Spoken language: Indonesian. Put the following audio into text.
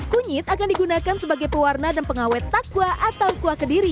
kunyit akan digunakan sebagai pewarna dan pengawet takwa atau kuah kediri